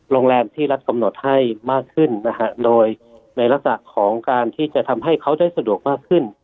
โรงแรมที่รัฐกำหนดให้มากขึ้นนะฮะโดยในลักษณะของการที่จะทำให้เขาได้สะดวกมากขึ้น